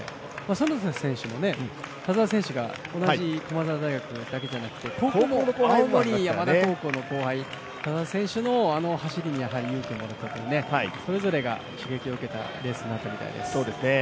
其田選手も田澤選手が同じところだけではなく、高校も同じ青森山田高校、あの走りに勇気をもらったというそれぞれが刺激を受けたレースになったみたいです。